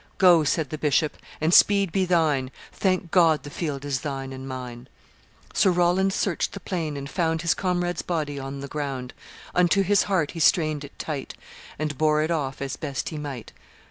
'Go,' said the bishop, 'and speed be thine Thank God! the field is thine and mine.' "Sir Roland searched the plain, and found His comrade's body on the ground; Unto his heart he strained it tight, And bore it off, as best he might.